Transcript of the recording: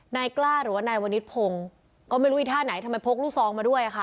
นายกล้าหรือว่านายวนิษพงศ์ก็ไม่รู้อีกท่าไหนทำไมพกลูกซองมาด้วยค่ะ